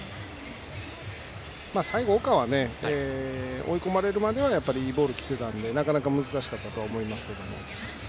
最後、岡は追い込まれるまではいいボールが来ていたのでなかなか難しかったと思いますが。